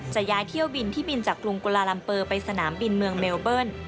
จะย้ายเที่ยวบินที่บินจากกรุงกุลาลัมเปอร์ไปสนามบินเมืองเมลเบิ้ล